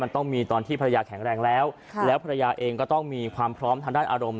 มันต้องมีตอนที่ภรรยาแข็งแรงแล้วแล้วภรรยาเองก็ต้องมีความพร้อมทางด้านอารมณ์